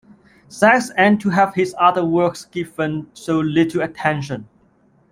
Sex and to have his other works given so little attention.